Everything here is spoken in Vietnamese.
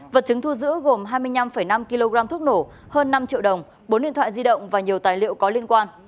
vật chứng thu giữ gồm hai mươi năm năm kg thuốc nổ hơn năm triệu đồng bốn điện thoại di động và nhiều tài liệu có liên quan